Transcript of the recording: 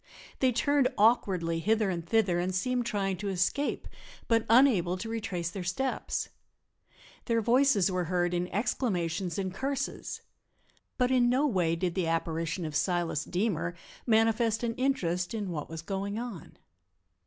They turned awkwardly hither and thither and seemed trying to escape, but unable to retrace their steps. Their voices were heard in exclamations and curses. But in no way did the apparition of Silas Deemer manifest an interest in what was going on.